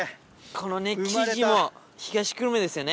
このね生地も東久留米ですよね。